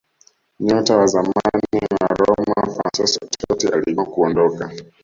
Nyota wa zamani wa Roma Fransesco Totti aligoma kuondoka